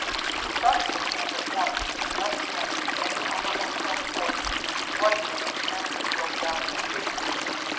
We started for camp at once, and left them standing on the hotel porch watching us as we drove down the street.